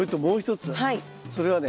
それはね